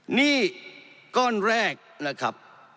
หนี้ก้อนแรกนะครับ